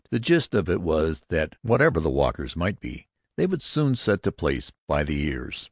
The gist of it was that wherever the Walkers might be they would soon set the place by the ears.